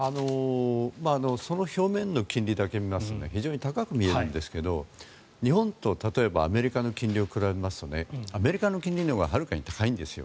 その表面の金利だけ見ますと非常に高く見えるんですが日本とアメリカの金利を比べますとアメリカの金利のほうがはるかに高いんですよ。